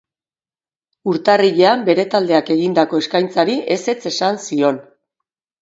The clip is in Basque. Urtarrilean bere taldeak egindako eskaintzari ezetz esan zion.